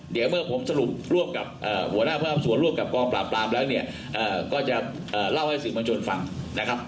เดี๋ยวเมื่อผมสรุปร่วมกับหัวหน้าพระอำส่วนร่วมกับกองปราบปรามแล้วเนี่ยก็จะเล่าให้สื่อมวลชนฟังนะครับ